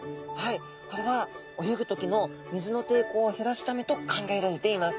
これは泳ぐ時の水の抵抗を減らすためと考えられています。